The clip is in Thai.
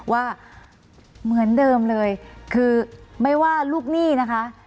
ว่าเหมือนเดิมเลยคือไม่ว่าลูกหนี้นะคะ